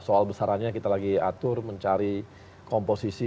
soal besarannya kita lagi atur mencari komposisi